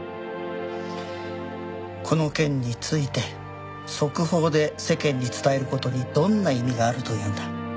この件について速報で世間に伝える事にどんな意味があるというんだ？